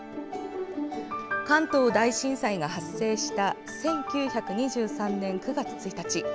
関東大震災が発生した１９２３年９月１日。